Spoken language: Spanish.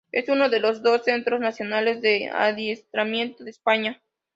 Es uno de los dos Centros Nacionales de Adiestramiento de España.